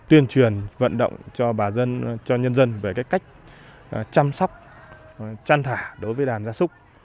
tuyên truyền vận động cho bà dân cho nhân dân về cách chăm sóc chăn thả đối với đàn gia súc